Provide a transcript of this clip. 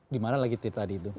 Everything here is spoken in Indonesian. di mana lagi tadi itu